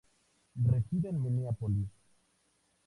Reside en Minneapolis.